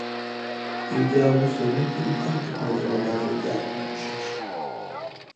Илди агъу сегъунти имканти пайдаладарили диахъули нушачи?